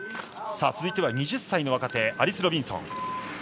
続いては２０歳の若手アリス・ロビンソン。